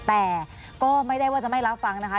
แต่ก็ไม่ได้ว่าจะไม่รับฟังนะคะ